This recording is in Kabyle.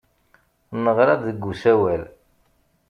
Neɣra-d deg usawal.